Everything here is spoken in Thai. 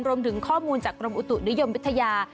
รวมถึงข้อมูลจากกรมอุตุนิยมวิทยา